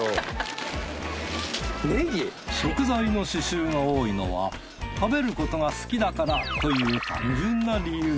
食材の刺繍が多いのは食べることが好きだからという単純な理由。